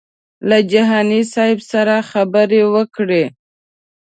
له جهاني صاحب سره خبرې وکړې.